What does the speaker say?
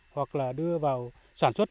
hoặc là đưa vào sản xuất